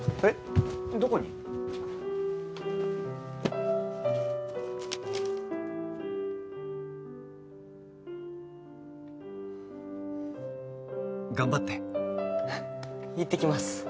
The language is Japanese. いってきます。